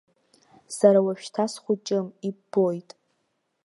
Сара уажәшьҭа схәыҷым, иббоит.